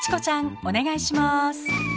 お願いします。